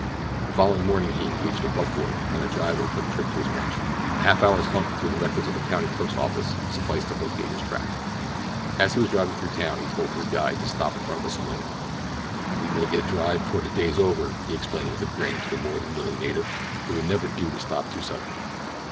The following morning he engaged a buck board and a driver for the trip to his ranch. A half hour's hunt through the records of the county clerk's office sufficed to locate his tract. As he was driving through town he told his guide to stop in front of a saloon. "We may get dry before the day's over," he explained with a grin to the more than willing native—it would never do to stop too suddenly.